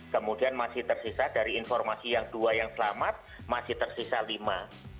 kemudian masih tersisa dari informasi yang dua yang selamat masih tersisa lima